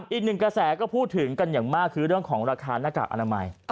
อีกหนึ่งกระแสก็พูดถึงกันอย่างมากคือเรื่องของราคาหน้ากากอนามัย